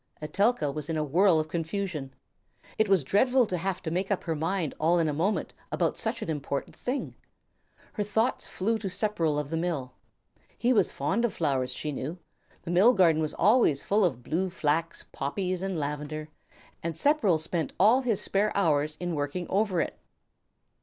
Etelka was in a whirl of confusion. It was dreadful to have to make up her mind all in a moment about such an important thing. Her thoughts flew to Sepperl of the Mill. He was fond of flowers, she knew; the mill garden was always full of blue flax, poppies, and lavender, and Sepperl spent all his spare hours in working over it.